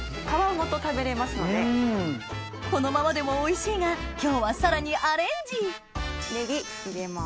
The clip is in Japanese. このままでもおいしいが今日はさらにアレンジネギ入れます。